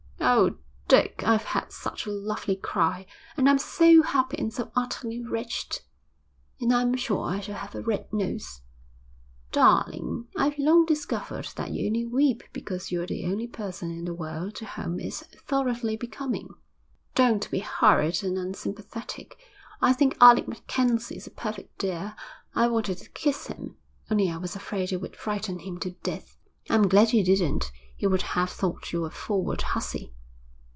'Oh, Dick, I've had such a lovely cry, and I'm so happy and so utterly wretched. And I'm sure I shall have a red nose.' 'Darling, I've long discovered that you only weep because you're the only person in the world to whom it's thoroughly becoming.' 'Don't be horrid and unsympathetic. I think Alec MacKenzie's a perfect dear. I wanted to kiss him, only I was afraid it would frighten him to death.' 'I'm glad you didn't. He would have thought you a forward hussy.'